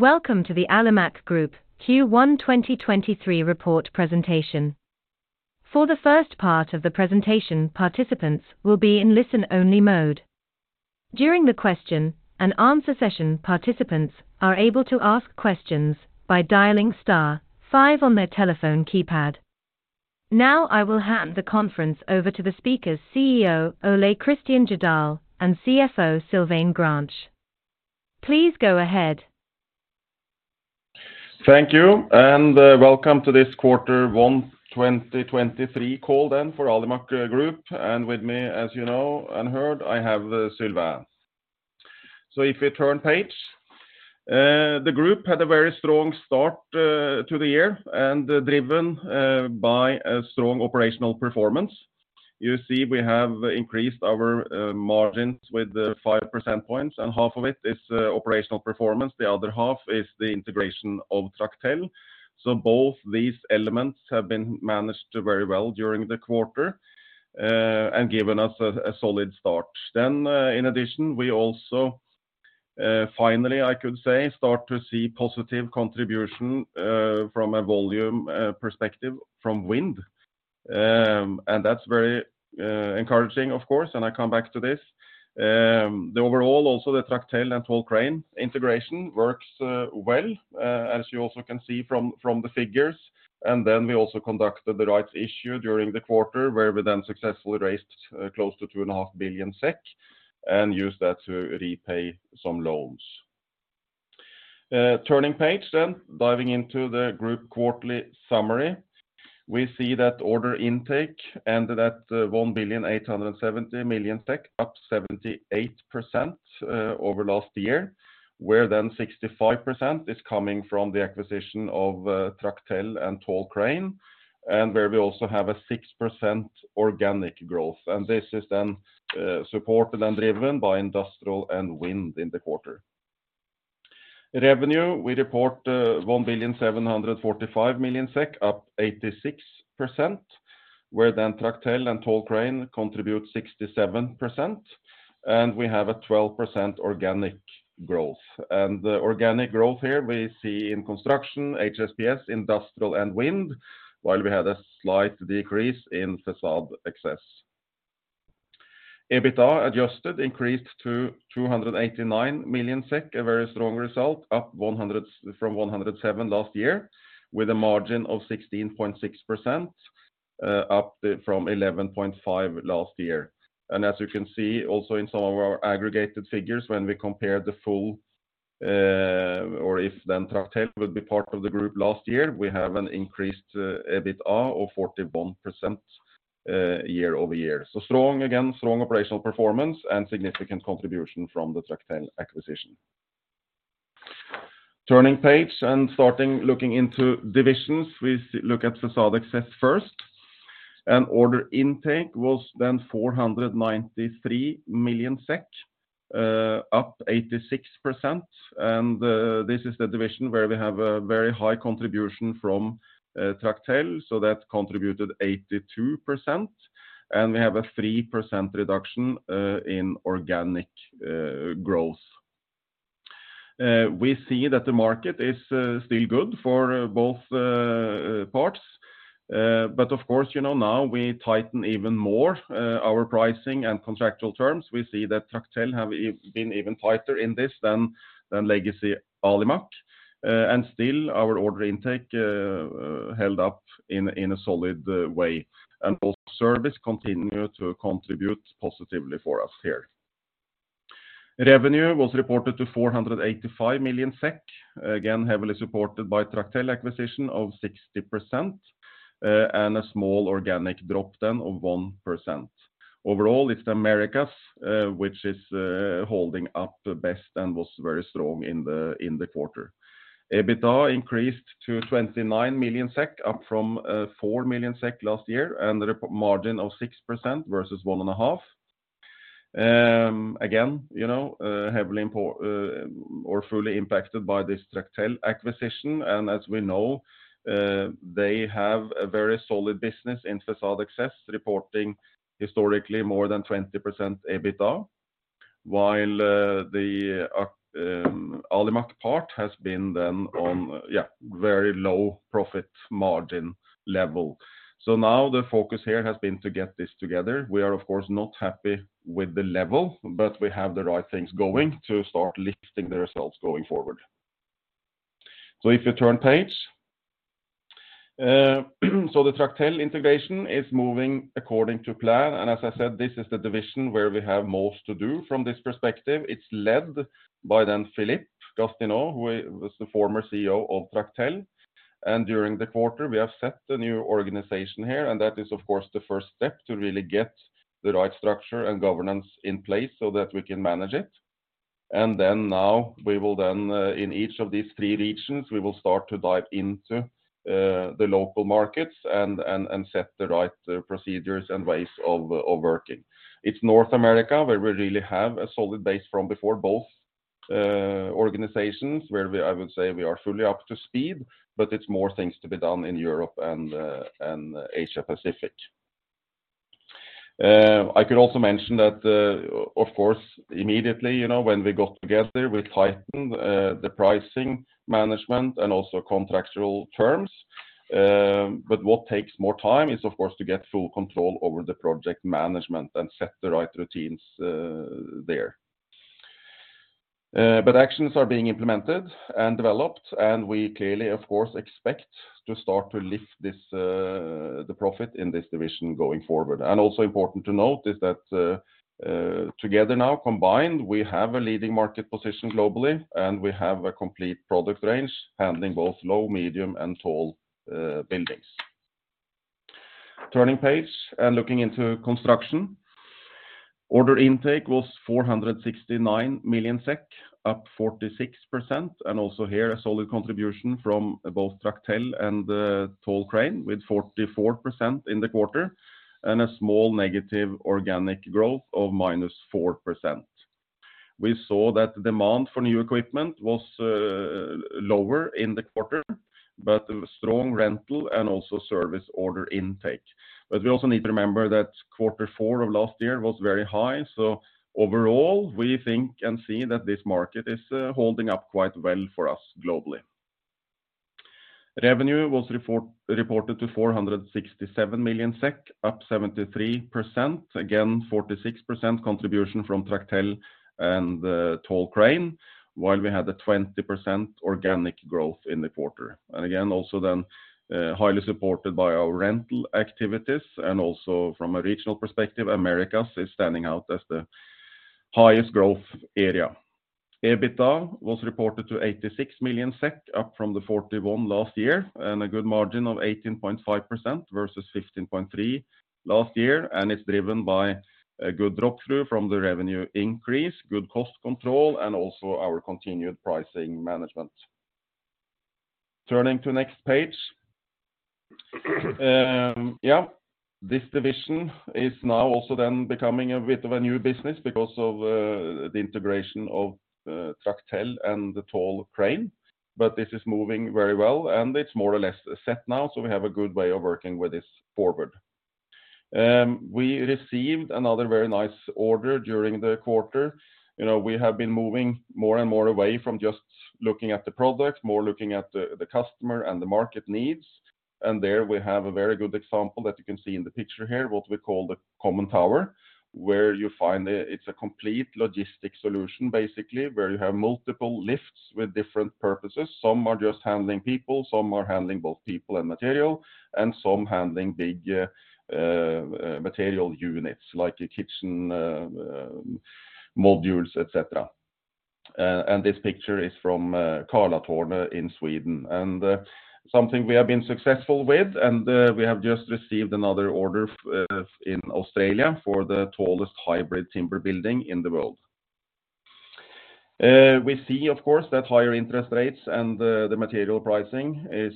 Welcome to the Alimak Group Q1 2023 report presentation. For the first part of the presentation, participants will be in listen-only mode. During the question and answer session, participants are able to ask questions by dialing star five on their telephone keypad. I will hand the conference over to the speakers, CEO Ole Kristian Jødahl and CFO Sylvain Grange. Please go ahead. Thank you, and welcome to this quarter one 2023 call then for Alimak Group. With me, as you know and heard, I have Sylvain. If you turn page, the group had a very strong start to the year and driven by a strong operational performance. You see we have increased our margins with 5 percent points, and half of it is operational performance, the other half is the integration of Tractel. Both these elements have been managed very well during the quarter and given us a solid start. In addition, we also finally, I could say, start to see positive contribution from a volume perspective from wind. That's very encouraging, of course, and I come back to this. The overall also the Tractel and Tall Crane integration works well, as you also can see from the figures. We also conducted the rights issue during the quarter where we then successfully raised close to 2.5 billion SEK and used that to repay some loans. Turning page, diving into the group quarterly summary. We see that order intake ended at 1.87 billion, up 78% over last year, where 65% is coming from the acquisition of Tractel and Tall Crane, and where we also have a 6% organic growth. This is supported and driven by industrial and wind in the quarter. Revenue, we report 1,745 million SEK, up 86%, where then Tractel and Tall Crane contribute 67%, and we have a 12% organic growth. The organic growth here we see in construction, HSPS, industrial, and wind, while we had a slight decrease in Facade Access. EBITDA adjusted increased to 289 million SEK, a very strong result, from 107 million last year, with a margin of 16.6%, from 11.5% last year. As you can see also in some of our aggregated figures, when we compare the full, or if then Tractel would be part of the group last year, we have an increased EBITDA of 41% quarter-over-quarter. Strong again, strong operational performance and significant contribution from the Tractel acquisition. Turning page and starting looking into divisions. We look at Facade Access first. Order intake was then 493 million SEK, up 86%. This is the division where we have a very high contribution from Tractel, so that contributed 82%, and we have a 3% reduction in organic growth. We see that the market is still good for both parts. Of course, you know, now we tighten even more our pricing and contractual terms. We see that Tractel have been even tighter in this than legacy Alimak, and still our order intake held up in a solid way, and also service continued to contribute positively for us here. Revenue was reported to 485 million SEK, again, heavily supported by Tractel acquisition of 60%, and a small organic drop then of 1%. Overall, it's Americas, which is holding up the best and was very strong in the quarter. EBITDA increased to 29 million SEK, up from 4 million SEK last year, and the margin of 6% versus 1.5%. Again, you know, or fully impacted by this Tractel acquisition. As we know, they have a very solid business in Facade Access, reporting historically more than 20% EBITDA, while the Alimak part has been then on, yeah, very low profit margin level. We are of course not happy with the level, but we have the right things going to start lifting the results going forward. If you turn page. The Tractel integration is moving according to plan. As I said, this is the division where we have most to do from this perspective. It's led by then Philippe Gastineau, who was the former CEO of Tractel. During the quarter, we have set the new organization here, and that is, of course, the first step to really get the right structure and governance in place so that we can manage it. Now we will in each of these three regions, we will start to dive into the local markets and set the right procedures and ways of working. It's North America where we really have a solid base from before both organizations where we I would say we are fully up to speed, but it's more things to be done in Europe and Asia Pacific. I could also mention that, of course, immediately, you know, when we got together, we tightened the pricing management and also contractual terms. But what takes more time is, of course, to get full control over the project management and set the right routines there. But actions are being implemented and developed, and we clearly, of course, expect to start to lift this the profit in this division going forward. Also important to note is that together now, combined, we have a leading market position globally, and we have a complete product range handling both low, medium, and tall buildings. Turning page and looking into construction. Order intake was 469 million SEK, up 46%, and also here a solid contribution from both Tractel and Tall Crane with 44% in the quarter and a small negative organic growth of -4%. We saw that demand for new equipment was lower in the quarter, but a strong rental and also service order intake. We also need to remember that quarter four of last year was very high. Overall, we think and see that this market is holding up quite well for us globally. Revenue was reported to 467 million SEK, up 73%. Again, 46% contribution from Tractel and Tall Crane, while we had a 20% organic growth in the quarter. Again, also then, highly supported by our rental activities and also from a regional perspective, Americas is standing out as the highest growth area. EBITDA was reported to 86 million SEK, up from the 41 million last year, a good margin of 18.5% versus 15.3% last year, it's driven by a good drop-through from the revenue increase, good cost control, and also our continued pricing management. Turning to next page. This division is now also then becoming a bit of a new business because of the integration of Tractel and Tall Crane. This is moving very well and it's more or less set now, we have a good way of working with this forward. We received another very nice order during the quarter. You know, we have been moving more and more away from just looking at the product, more looking at the customer and the market needs. There we have a very good example that you can see in the picture here, what we call the Common Tower, where you find it's a complete logistic solution, basically, where you have multiple lifts with different purposes. Some are just handling people, some are handling both people and material, and some handling big material units like kitchen modules, et cetera. This picture is from Karlatornet in Sweden, and something we have been successful with. We have just received another order in Australia for the tallest hybrid timber building in the world. We see, of course, that higher interest rates and the material pricing is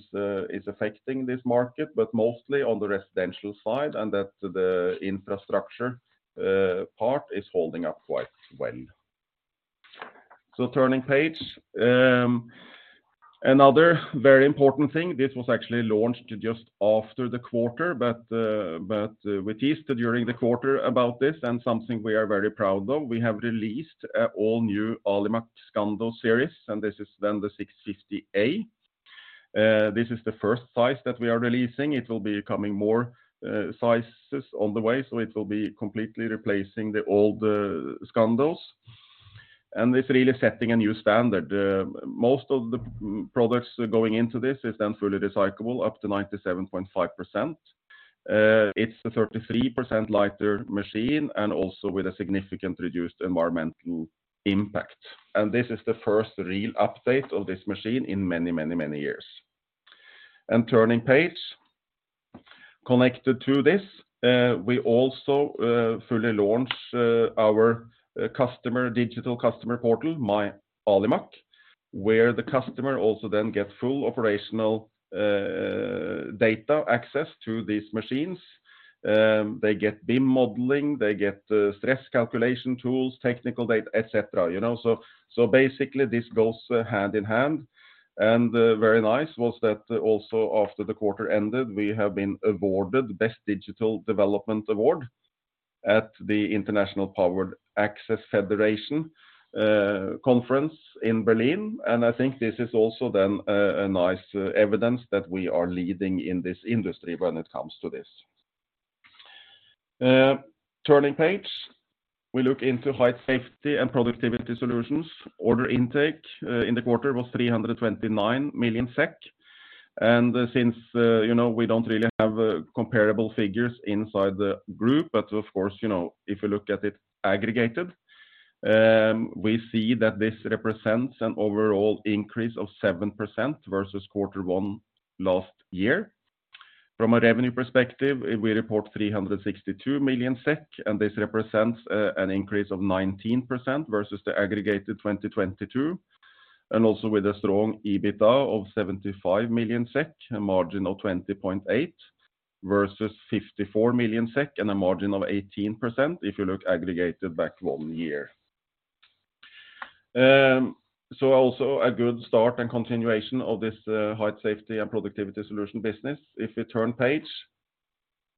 affecting this market, but mostly on the residential side, and that the infrastructure part is holding up quite well. Turning page. Another very important thing, this was actually launched just after the quarter, but we teased during the quarter about this and something we are very proud of. We have released an all new Alimak Scando series, and this is then the 650a. This is the first size that we are releasing. It will be coming more sizes on the way, so it will be completely replacing the old Scandos. It's really setting a new standard. Most of the products going into this is then fully recyclable, up to 97.5%. It's a 33% lighter machine and also with a significant reduced environmental impact. This is the first real update of this machine in many, many, many years. Turning page. Connected to this, we also fully launch our digital customer portal, My Alimak, where the customer also then gets full operational data access to these machines. They get BIM modeling, they get stress calculation tools, technical data, et cetera. You know, so basically this goes hand in hand. Very nice was that also after the quarter ended, we have been awarded Best Digital Development Award at the International Powered Access Federation conference in Berlin. I think this is also then a nice evidence that we are leading in this industry when it comes to this. Turning page. We look into Height Safety & Productivity Solutions. Order intake in the quarter was 329 million SEK. Since, you know, we don't really have comparable figures inside the group, but of course, you know, if you look at it aggregated, we see that this represents an overall increase of 7% versus quarter one last year. From a revenue perspective, we report 362 million SEK, and this represents an increase of 19% versus the aggregated 2022, and also with a strong EBITDA of 75 million SEK, a margin of 20.8 versus 54 million SEK and a margin of 18% if you look aggregated back one year. Also a good start and continuation of this Height Safety & Productivity Solutions business. If you turn page,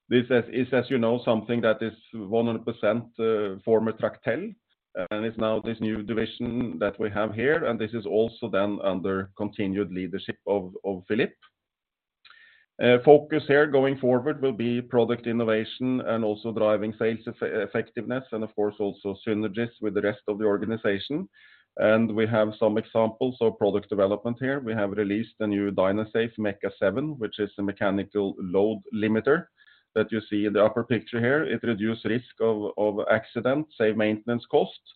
this is, as you know, something that is 100% former Tractel, and it's now this new division that we have here, and this is also then under continued leadership of Philippe. Focus here going forward will be product innovation and also driving sales effectiveness, and of course, also synergies with the rest of the organization. We have some examples of product development here. We have released a new Dynafor Mecha 7, which is a mechanical load limiter that you see in the upper picture here. It reduce risk of accidents, save maintenance costs,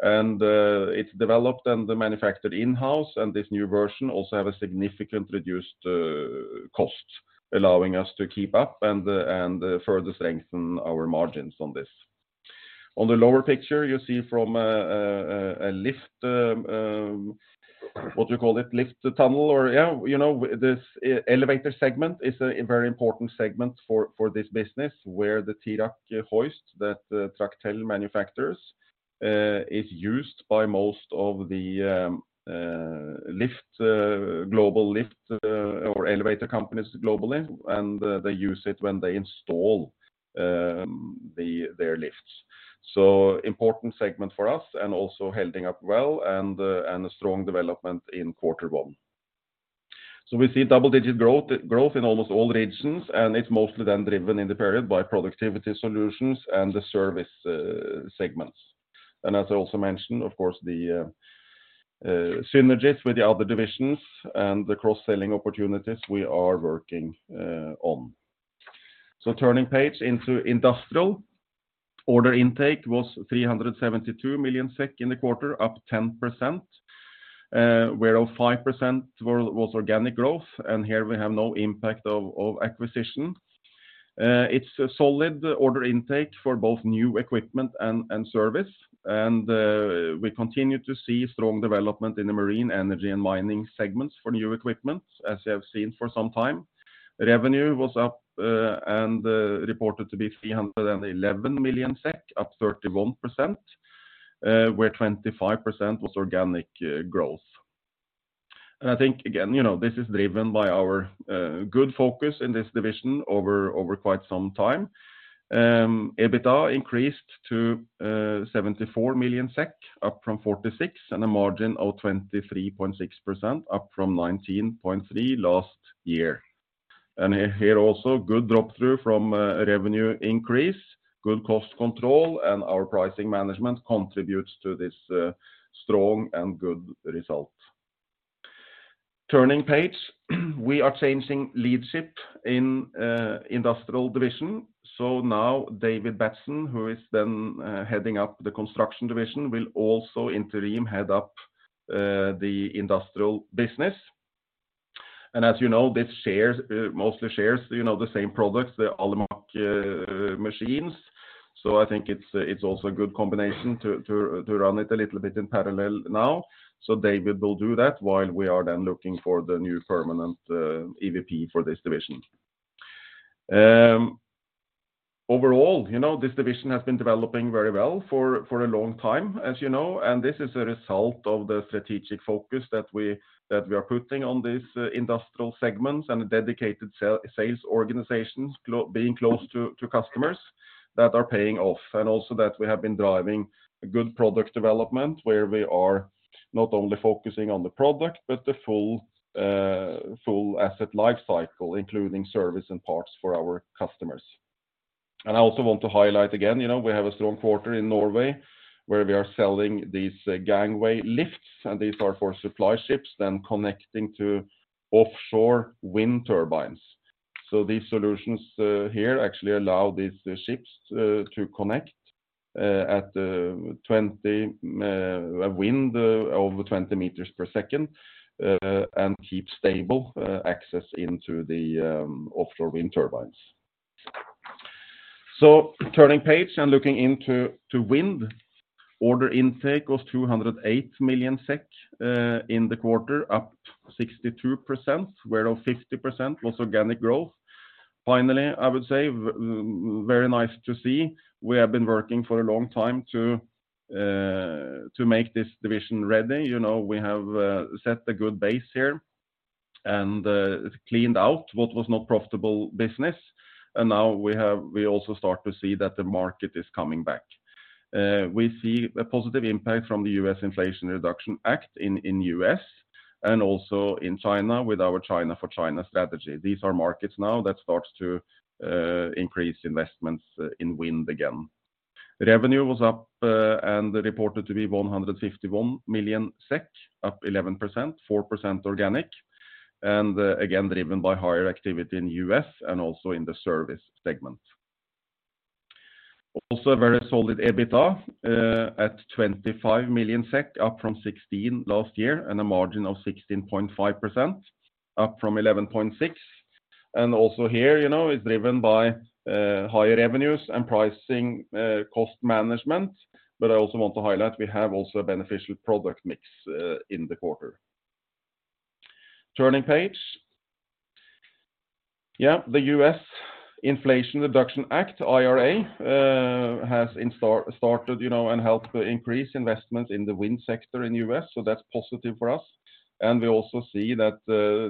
and it's developed and manufactured in-house. This new version also have a significantly reduced cost, allowing us to keep up and further strengthen our margins on this. On the lower picture, you see from a lift, what you call it, lift tunnel, or, yeah, you know, this e-elevator segment is a very important segment for this business, where the Tirak hoist that Tractel manufactures, is used by most of the lift, global lift or elevator companies globally. They use it when they install their lifts. Important segment for us and also holding up well and a strong development in quarter 1. We see double-digit growth in almost all regions, and it's mostly then driven in the period by Productivity Solutions and the service segments. As I also mentioned, of course, the synergies with the other divisions and the cross-selling opportunities we are working on. Turning page into Industrial. Order intake was 372 million SEK in the quarter, up 10%, where 5% was organic growth. Here we have no impact of acquisition. It's a solid order intake for both new equipment and service. We continue to see strong development in the marine energy and mining segments for new equipment, as you have seen for some time. Revenue was up and reported to be 311 million SEK, up 31%, where 25% was organic growth. I think, again, you know, this is driven by our good focus in this division over quite some time. EBITDA increased to 74 million SEK, up from 46 million, and a margin of 23.6%, up from 19.3% last year. Here also, good drop-through from revenue increase, good cost control, and our pricing management contributes to this strong and good result. Turning page. We are changing leadership in Industrial division. Now David Batson, who is then heading up the Construction Division, will also interim head up the Industrial business. As you know, this mostly shares, you know, the same products, the Alimak machines. I think it's also a good combination to run it a little bit in parallel now. David will do that while we are then looking for the new permanent EVP for this division. overall, you know, this division has been developing very well for a long time, as you know, and this is a result of the strategic focus that we are putting on this industrial segment and a dedicated sales organization being close to customers that are paying off. Also that we have been driving good product development, where we are not only focusing on the product, but the full full asset life cycle, including service and parts for our customers. I also want to highlight again, you know, we have a strong quarter in Norway, where we are selling these gangway lifts, and these are for supply ships then connecting to offshore wind turbines. These solutions here actually allow these ships to connect at 20 wind over 20 meters per second and keep stable access into the offshore wind turbines. Turning page and looking into to Wind. Order intake was 208 million SEK in the quarter, up 62%, where of 50% was organic growth. Finally, I would say very nice to see. We have been working for a long time to make this division ready. You know, we have set a good base here and cleaned out what was not profitable business. Now we also start to see that the market is coming back. We see a positive impact from the U.S. Inflation Reduction Act in U.S. and also in China with our China for China strategy. These are markets now that starts to increase investments in wind again. Revenue was up and reported to be 151 million SEK, up 11%, 4% organic, and again, driven by higher activity in U.S. and also in the service segment. Also a very solid EBITDA at 25 million SEK, up from 16 last year, and a margin of 16.5%, up from 11.6%. Also here, you know, is driven by higher revenues and pricing, cost management. I also want to highlight we have also a beneficial product mix in the quarter. Turning page. The U.S. Inflation Reduction Act, IRA, has started, you know, and helped increase investment in the wind sector in U.S., so that's positive for us. We also see that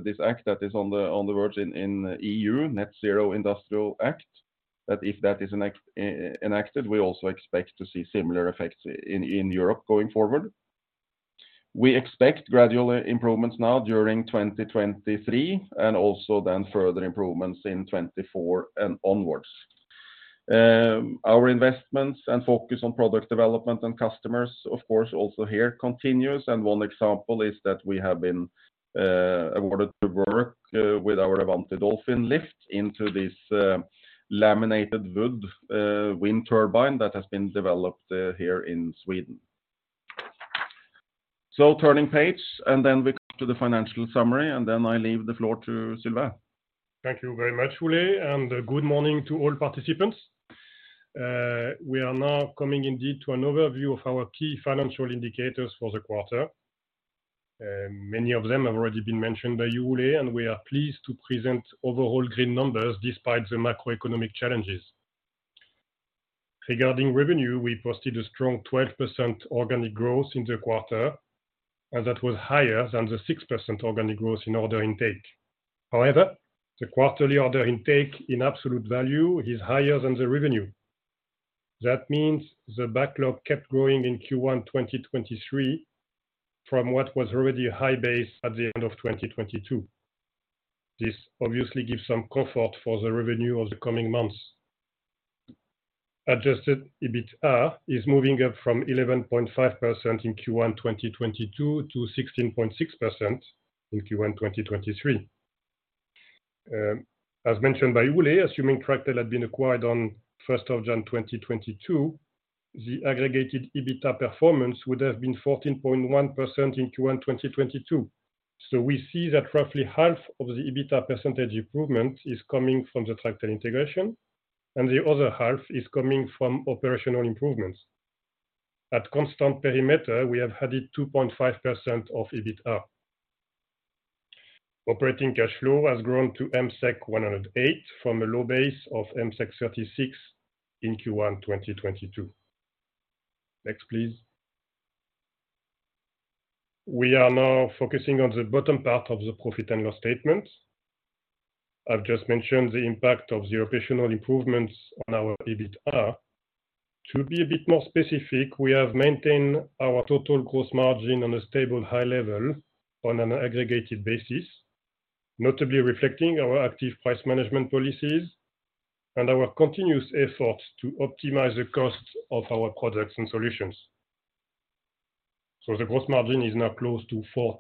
this act that is on the verge in EU, Net-Zero Industry Act, that if that is enacted, we also expect to see similar effects in Europe going forward. We expect gradual improvements now during 2023, and also then further improvements in 2024 and onwards. Our investments and focus on product development and customers, of course, also here continues. One example is that we have been awarded the work with our Avanti Dolphin into this laminated wood wind turbine that has been developed here in Sweden. Turning page, and then we come to the financial summary, and then I leave the floor to Sylvain. Thank you very much, Ole, and good morning to all participants. We are now coming indeed to an overview of our key financial indicators for the quarter. Many of them have already been mentioned by you, Ole, and we are pleased to present overall green numbers despite the macroeconomic challenges. Regarding revenue, we posted a strong 12% organic growth in the quarter, and that was higher than the 6% organic growth in order intake. However, the quarterly order intake in absolute value is higher than the revenue. That means the backlog kept growing in Q1 2023 from what was already a high base at the end of 2022. This obviously gives some comfort for the revenue of the coming months. Adjusted EBITDA is moving up from 11.5% in Q1 2022 to 16.6% in Q1 2023. As mentioned by Ole, assuming Tractel had been acquired on 1st of Jan, 2022, the aggregated EBITDA performance would have been 14.1% in Q1, 2022. We see that roughly half of the EBITDA percentage improvement is coming from the Tractel integration, and the other half is coming from operational improvements. At constant perimeter, we have added 2.5% of EBITDA. Operating cash flow has grown to MSEC 108 from a low base of MSEC 36 in Q1, 2022. Next, please. We are now focusing on the bottom part of the profit and loss statement. I've just mentioned the impact of the operational improvements on our EBITDA. To be a bit more specific, we have maintained our total gross margin on a stable high level on an aggregated basis, notably reflecting our active price management policies and our continuous effort to optimize the cost of our products and solutions. The gross margin is now close to 40%.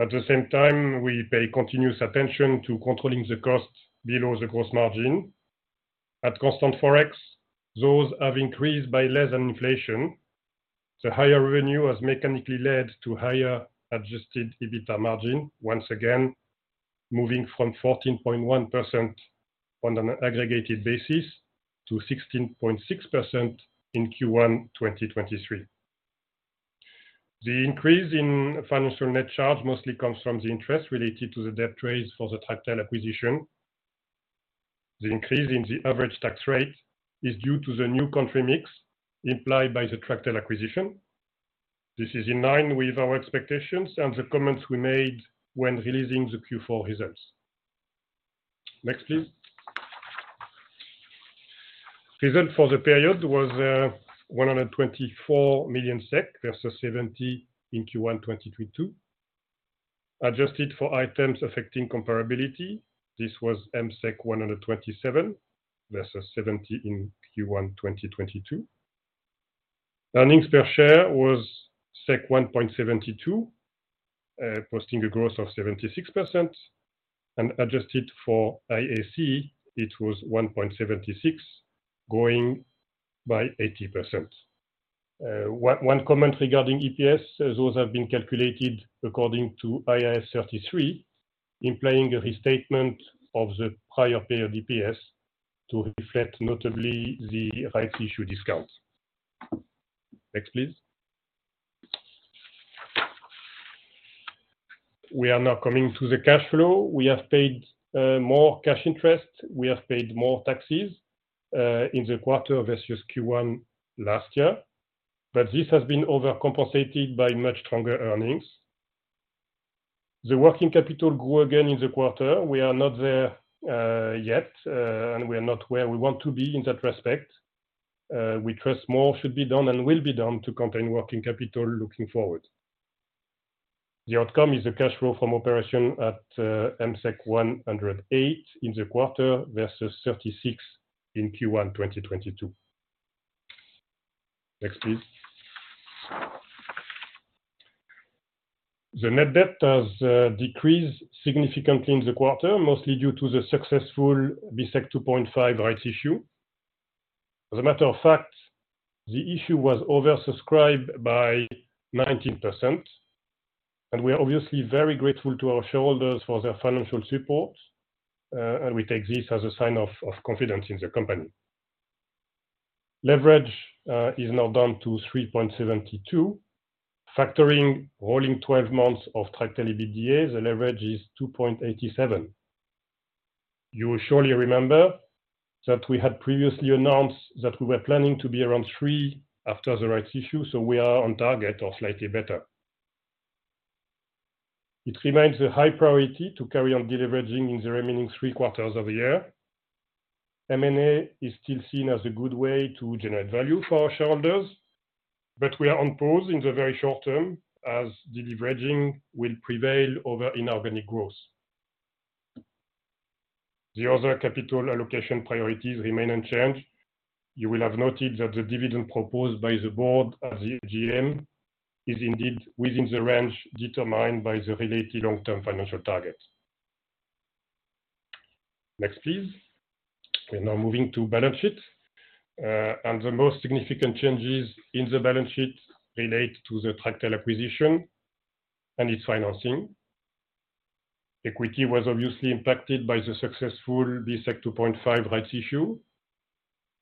At the same time, we pay continuous attention to controlling the cost below the gross margin. At constant ForEx, those have increased by less than inflation. The higher revenue has mechanically led to higher adjusted EBITDA margin, once again, moving from 14.1% on an aggregated basis to 16.6% in Q1 2023. The increase in financial net charge mostly comes from the interest related to the debt raise for the Tractel acquisition. The increase in the average tax rate is due to the new country mix implied by the Tractel acquisition. This is in line with our expectations and the comments we made when releasing the Q4 results. Next, please. Result for the period was 124 million SEK versus 70 in Q1 2022. Adjusted for items affecting comparability, this was MSEC 127 versus MSEC 70 in Q1 2022. Earnings per share was 1.72, posting a growth of 76%, and adjusted for IAC, it was 1.76, growing by 80%. One comment regarding EPS, those have been calculated according to IAS 33, implying a restatement of the prior period EPS to reflect notably the rights issue discount. Next, please. We are now coming to the cash flow. We have paid more cash interest. We have paid more taxes in the quarter versus Q1 last year. This has been overcompensated by much stronger earnings. The working capital grew again in the quarter. We are not there yet. We are not where we want to be in that respect. We trust more should be done and will be done to contain working capital looking forward. The outcome is a cash flow from operation at MSEC 108 in the quarter versus MSEC 36 in Q1 2022. Next, please. The net debt has decreased significantly in the quarter, mostly due to the successful BSEK 2.5 rights issue. As a matter of fact, the issue was oversubscribed by 19%, and we are obviously very grateful to our shareholders for their financial support, and we take this as a sign of confidence in the company. Leverage is now down to 3.72. Factoring rolling 12 months of Tractel EBITDA, the leverage is 2.87. You will surely remember that we had previously announced that we were planning to be around 3 after the rights issue, so we are on target or slightly better. It remains a high priority to carry on deleveraging in the remaining 3 quarters of the year. M&A is still seen as a good way to generate value for our shareholders, but we are on pause in the very short term as deleveraging will prevail over inorganic growth. The other capital allocation priorities remain unchanged. You will have noted that the dividend proposed by the board at the AGM is indeed within the range determined by the related long-term financial targets. Next, please. We're now moving to balance sheet. The most significant changes in the balance sheet relate to the Tractel acquisition and its financing. Equity was obviously impacted by the successful BSEK 2.5 rights issue.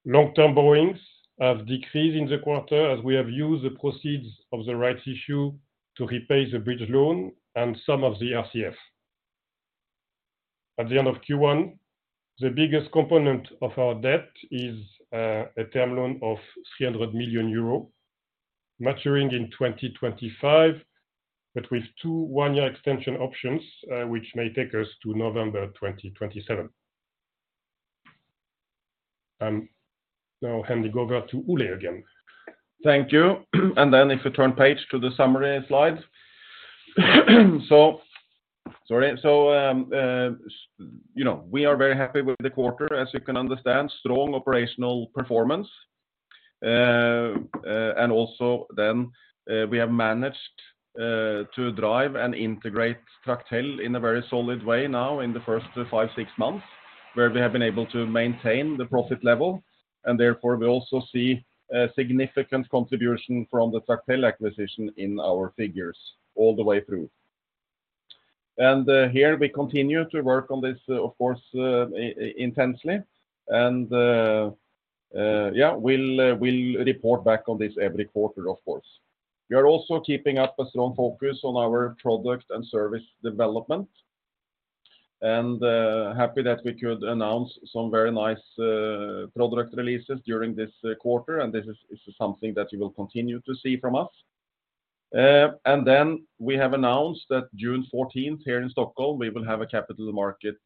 Long-term borrowings have decreased in the quarter as we have used the proceeds of the rights issue to repay the bridge loan and some of the RCF. At the end of Q1, the biggest component of our debt is a term loan of 300 million euro maturing in 2025, but with 2 one-year extension options, which may take us to November 2027. Now I'll hand it over to Ole again. Thank you. If you turn page to the summary slide. Sorry. You know, we are very happy with the quarter, as you can understand. Strong operational performance. Also then, we have managed to drive and integrate Tractel in a very solid way now in the first five, six months, where we have been able to maintain the profit level. Therefore, we also see a significant contribution from the Tractel acquisition in our figures all the way through. Here we continue to work on this, of course, intensely. Yeah, we'll report back on this every quarter, of course. We are also keeping up a strong focus on our product and service development, and happy that we could announce some very nice product releases during this quarter. This is something that you will continue to see from us. We have announced that June 14th here in Stockholm, we will have a capital market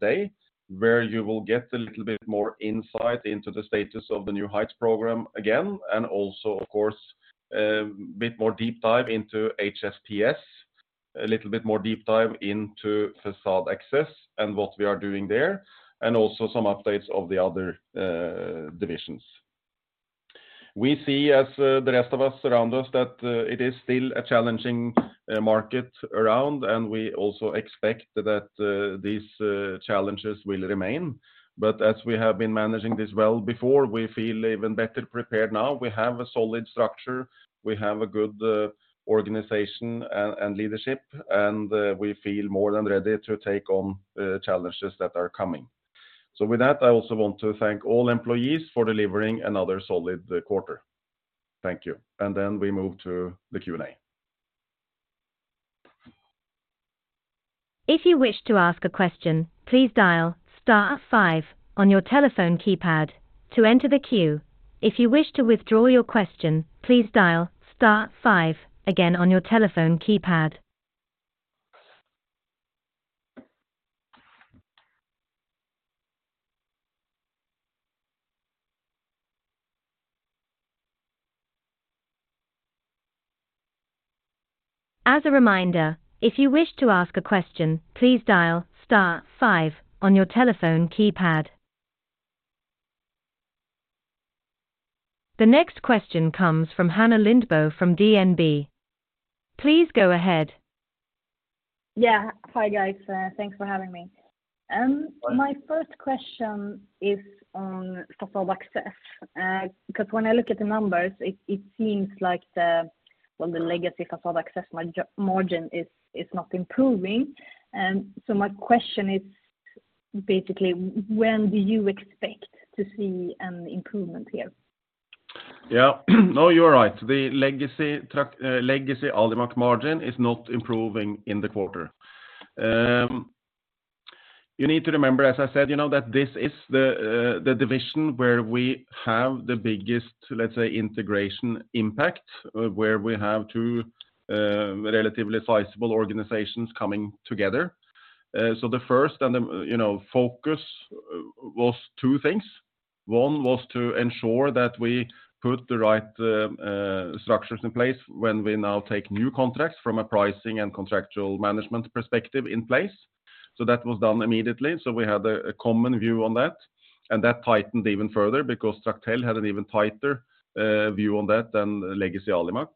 day, where you will get a little bit more insight into the status of the New Heights program again, and also, of course, a bit more deep dive into HSPS, a little bit more deep dive into Facade Access and what we are doing there, and also some updates of the other divisions. We see, as the rest of us around us, that it is still a challenging market around, and we also expect that these challenges will remain. As we have been managing this well before, we feel even better prepared now. We have a solid structure. We have a good organization and leadership, and we feel more than ready to take on challenges that are coming. With that, I also want to thank all employees for delivering another solid quarter. Thank you. Then we move to the Q&A. If you wish to ask a question, please dial star five on your telephone keypad to enter the queue. If you wish to withdraw your question, please dial star five again on your telephone keypad. As a reminder, if you wish to ask a question, please dial star five on your telephone keypad. The next question comes from Hanne Lindbo from DNB. Please go ahead. Yeah. Hi, guys. Thanks for having me. My first question is on Facade Access, because when I look at the numbers, it seems like the legacy Facade Access margin is not improving. My question is basically when do you expect to see an improvement here? Yeah. No, you are right. The legacy Alimak margin is not improving in the quarter. You need to remember, as I said, you know, that this is the division where we have the biggest, let's say, integration impact, where we have two relatively sizable organizations coming together. The first and the, you know, focus was two things. One was to ensure that we put the right structures in place when we now take new contracts from a pricing and contractual management perspective in place. That was done immediately. We had a common view on that, and that tightened even further because Tractel had an even tighter view on that than legacy Alimak.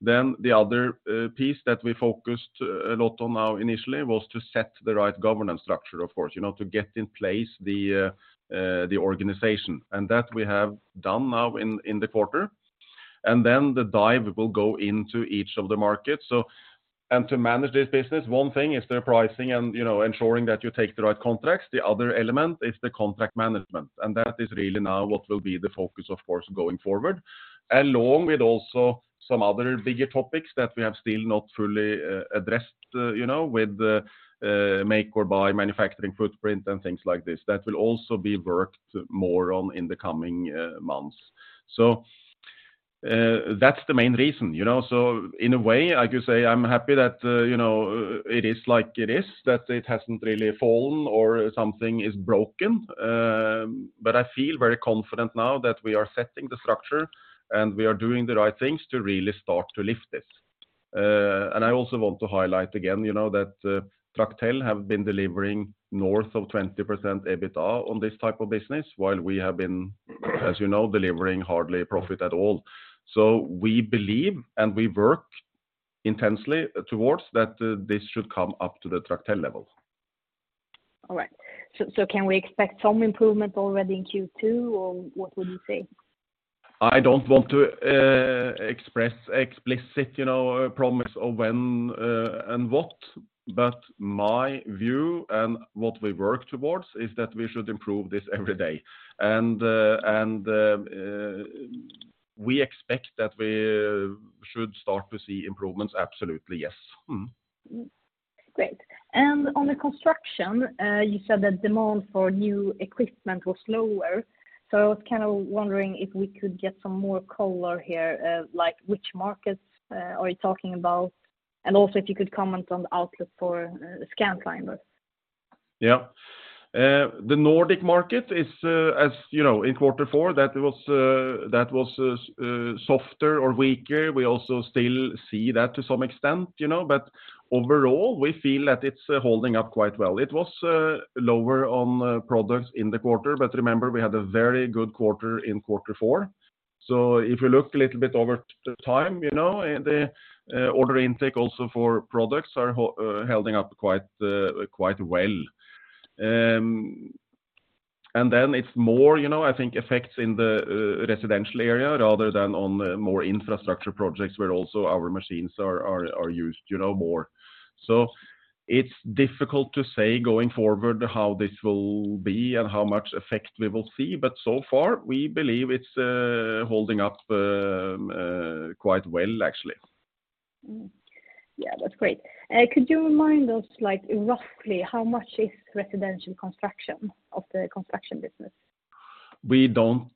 The other piece that we focused a lot on now initially was to set the right governance structure, of course, you know, to get in place the organization. That we have done now in the quarter. The dive will go into each of the markets. To manage this business, one thing is their pricing and, you know, ensuring that you take the right contracts. The other element is the contract management, and that is really now what will be the focus, of course, going forward. Along with also some other bigger topics that we have still not fully addressed, you know, with the make or buy manufacturing footprint and things like this that will also be worked more on in the coming months. That's the main reason, you know. In a way, I could say I'm happy that, you know, it is like it is, that it hasn't really fallen or something is broken. I feel very confident now that we are setting the structure, and we are doing the right things to really start to lift this. I also want to highlight again, you know, that Tractel have been delivering north of 20% EBITDA on this type of business while we have been, as you know, delivering hardly profit at all. We believe, and we work intensely towards that this should come up to the Tractel level. All right. Can we expect some improvement already in Q2, or what would you say? I don't want to express explicit, you know, promise of when and what, but my view and what we work towards is that we should improve this every day. We expect that we should start to see improvements. Absolutely, yes. Mm-hmm. Great. On the construction, you said that demand for new equipment was lower. I was kind of wondering if we could get some more color here, like which markets, are you talking about? Also if you could comment on the outlook for, the Scanclimber. Yeah. The Nordic market is, as you know, in quarter four, that was, that was, softer or weaker. We also still see that to some extent, you know. Overall, we feel that it's holding up quite well. It was lower on products in the quarter. Remember, we had a very good quarter in quarter four. If you look a little bit over the time, you know, the order intake also for products are holding up quite well. Then it's more, you know, I think effects in the residential area rather than on the more infrastructure projects where also our machines are used, you know, more. It's difficult to say going forward how this will be and how much effect we will see, so far, we believe it's holding up quite well, actually. Yeah, that's great. Could you remind us, like, roughly how much is residential construction of the construction business? We don't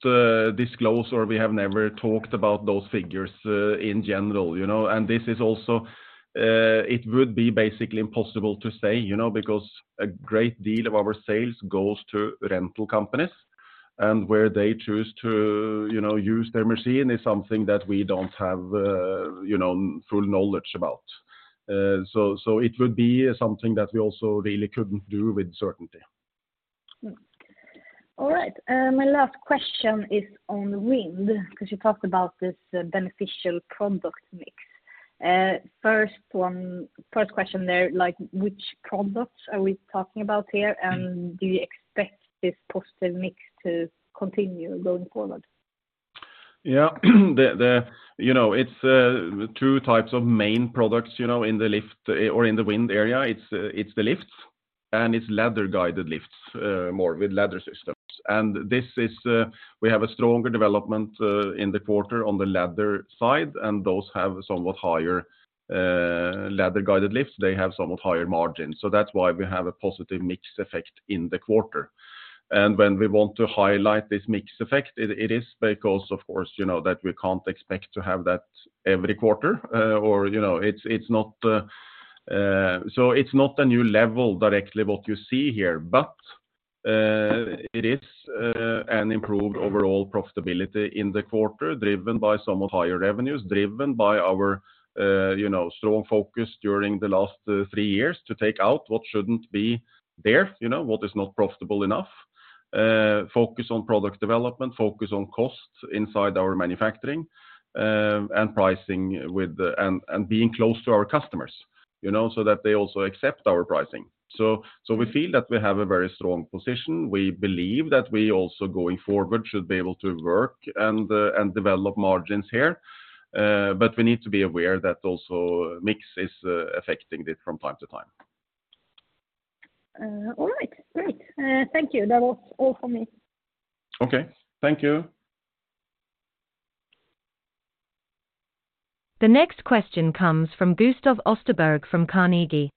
disclose, or we have never talked about those figures, in general, you know. This is also it would be basically impossible to say, you know, because a great deal of our sales goes to rental companies, and where they choose to, you know, use their machine is something that we don't have, you know, full knowledge about. It would be something that we also really couldn't do with certainty. All right. my last question is on wind, because you talked about this beneficial product mix. first question there, like, which products are we talking about here? do you expect this positive mix to continue going forward? Yeah. You know, it's two types of main products, you know, in the lift or in the wind area. It's the lifts, and it's ladder guided lifts, more with ladder systems. This is, we have a stronger development in the quarter on the ladder side, and those have somewhat higher ladder guided lifts. They have somewhat higher margins. That's why we have a positive mix effect in the quarter. When we want to highlight this mix effect, it is because, of course, you know, that we can't expect to have that every quarter, or, you know, it's not. It's not a new level directly what you see here, but it is an improved overall profitability in the quarter, driven by somewhat higher revenues, driven by our, you know, strong focus during the last three years to take out what shouldn't be there, you know, what is not profitable enough, focus on product development, focus on costs inside our manufacturing, and pricing and being close to our customers, you know, so that they also accept our pricing. We feel that we have a very strong position. We believe that we also, going forward, should be able to work and develop margins here, but we need to be aware that also mix is affecting it from time to time. All right. Great. Thank you. That was all for me. Okay. Thank you. The next question comes from Gustav Österberg from Carnegie.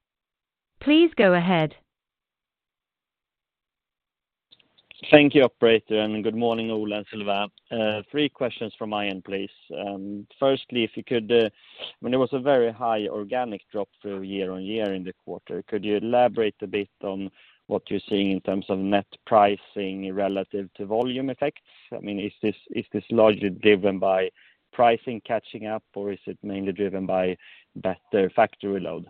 Please go ahead. Thank you, operator, and good morning, Ole and Sylvain. Three questions from my end, please. Firstly, if you could, I mean, there was a very high organic drop through quarter-over-quarter in the quarter. Could you elaborate a bit on what you're seeing in terms of net pricing relative to volume effects? I mean, is this largely driven by pricing catching up, or is it mainly driven by better factory load?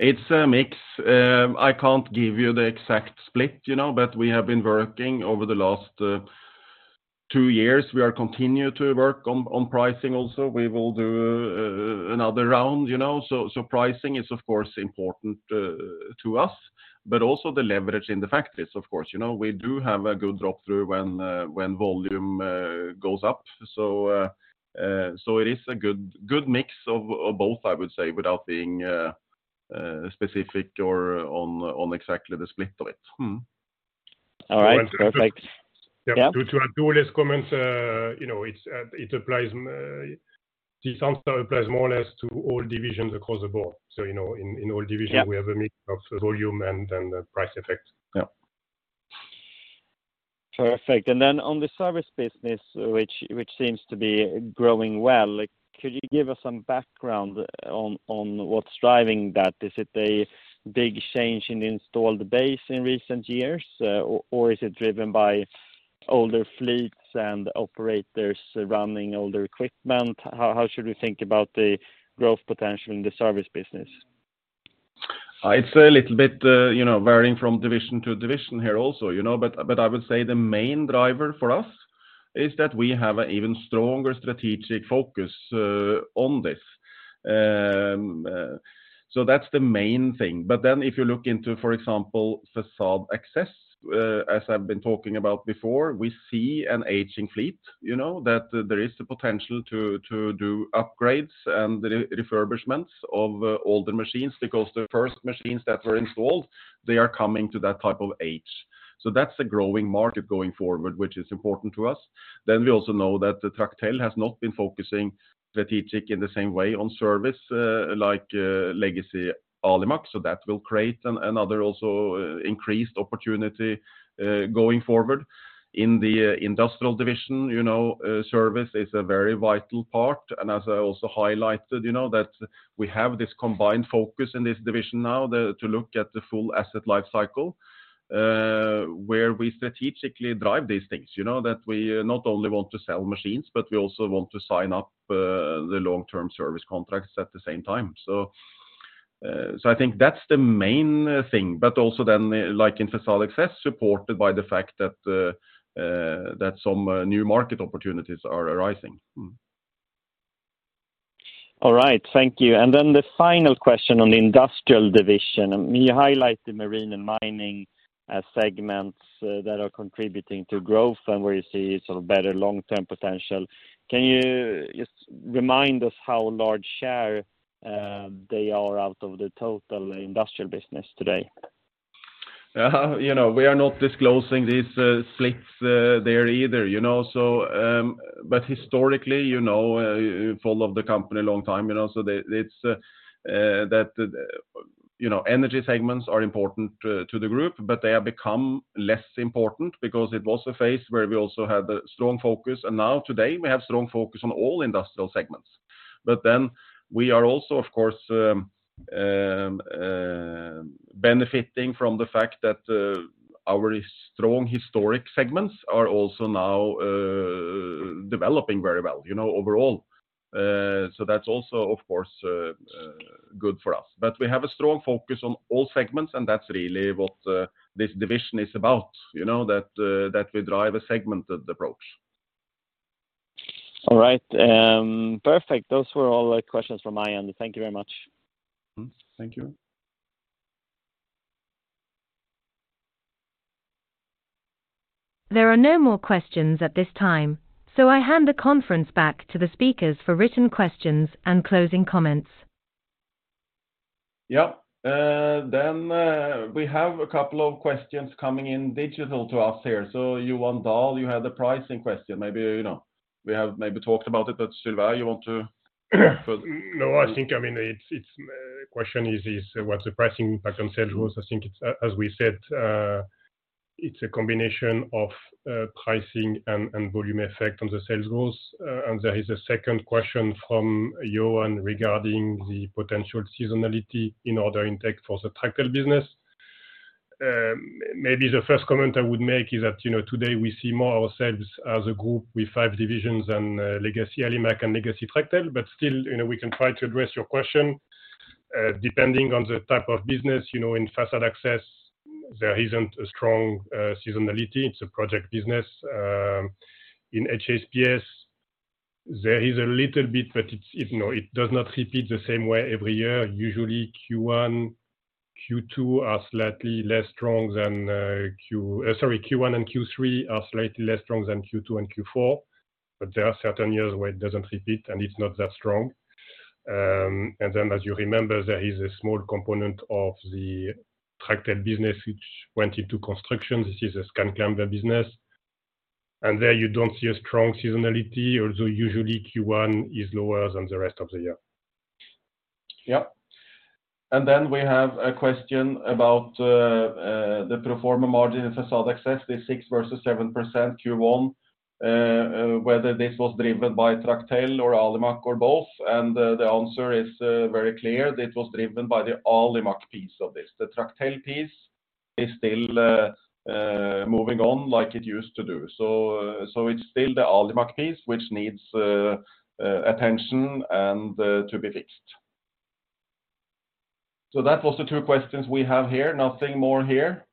It's a mix. I can't give you the exact split, you know, but we have been working over the last two years. We are continue to work on pricing also. We will do another round, you know. Pricing is, of course, important to us. But also the leverage in the factories, of course, you know. We do have a good drop through when volume goes up. It is a good mix of both, I would say, without being specific or on exactly the split of it. Mm-hmm. All right. Perfect. Yeah. Yeah. To add to Ole's comments, you know, it's, it applies, the same applies more or less to all divisions across the board. You know, in all divisions. Yeah we have a mix of volume and then the price effect. Yeah. Perfect. Then on the service business, which seems to be growing well, could you give us some background on what's driving that? Is it a big change in installed base in recent years, or is it driven by older fleets and operators running older equipment? How should we think about the growth potential in the service business? It's a little bit, you know, varying from division to division here also, you know. I would say the main driver for us is that we have an even stronger strategic focus on this. That's the main thing. If you look into, for example, Facade Access, as I've been talking about before, we see an aging fleet, you know, that there is the potential to do upgrades and refurbishments of older machines because the first machines that were installed, they are coming to that type of age. That's a growing market going forward, which is important to us. We also know that the Tractel has not been focusing strategic in the same way on service, like legacy Alimak. That will create another also increased opportunity going forward. In the industrial division, you know, service is a very vital part. As I also highlighted, you know, that we have this combined focus in this division now to look at the full asset life cycle, where we strategically drive these things, you know. That we not only want to sell machines, but we also want to sign up, the long-term service contracts at the same time. I think that's the main thing, but also then, like in Facade Access, supported by the fact that some new market opportunities are arising. All right. Thank you. The final question on the industrial division. You highlight the marine and mining segments that are contributing to growth and where you see sort of better long-term potential. Can you just remind us how large share they are out of the total industrial business today? You know, we are not disclosing these splits there either, you know. Historically, you know, followed the company a long time, you know, so it's that, you know, energy segments are important to the group, but they have become less important because it was a phase where we also had a strong focus. Now today, we have strong focus on all industrial segments. We are also, of course, benefiting from the fact that our strong historic segments are also now developing very well, you know, overall. That's also, of course, good for us. We have a strong focus on all segments, and that's really what this division is about, you know, that we drive a segmented approach. All right. Perfect. Those were all the questions from my end. Thank you very much. Thank you. There are no more questions at this time. I hand the conference back to the speakers for written questions and closing comments. Yeah. We have a couple of questions coming in digital to us here. Johan Dahl, you had the pricing question. Maybe, you know, we have maybe talked about it, but Sylvain, you want to? I think, I mean, it's question is what's the pricing impact on sales growth? I think it's, as we said, it's a combination of pricing and volume effect on the sales growth. There is a second question from Johan regarding the potential seasonality in order intake for the Tractel business. Maybe the first comment I would make is that, you know, today we see more ourselves as a group with five divisions than legacy Alimak and legacy Tractel. Still, you know, we can try to address your question, depending on the type of business, you know, in Facade Access, there isn't a strong seasonality. It's a project business. In HSPS, there is a little bit, no, it does not repeat the same way every year. Usually Q1, Q2 are slightly less strong than Q. Sorry, Q1 and Q3 are slightly less strong than Q2 and Q4. There are certain years where it doesn't repeat, and it's not that strong. As you remember, there is a small component of the Tractel business which went into construction. This is a Scanclimber business. There you don't see a strong seasonality, although usually Q1 is lower than the rest of the year. Yeah. We have a question about the pro forma margin in Facade Access, the 6% versus 7% Q1, whether this was driven by Tractel or Alimak or both. The answer is very clear. It was driven by the Alimak piece of this. The Tractel piece is still moving on like it used to do. It's still the Alimak piece which needs attention and to be fixed. That was the two questions we have here. Nothing more here.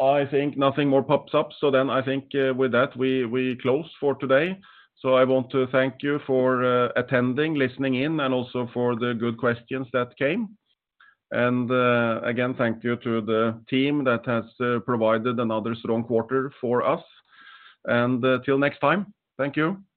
I think nothing more pops up. I think, with that, we close for today. I want to thank you for attending, listening in, and also for the good questions that came. Again, thank you to the team that has provided another strong quarter for us. Till next time, thank you. Goodbye.